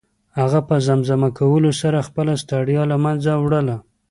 هغه په زمزمه کولو سره خپله ستړیا له منځه وړله.